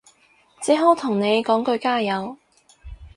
只好同你講句加油